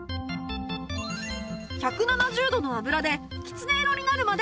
１７０度の油できつね色になるまで揚げます